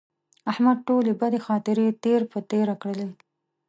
احمد ټولې بدې خاطرې تېر په تېره کړلې.